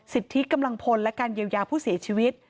ที่กำลังพลและการเยียวยาผู้เสียชีวิต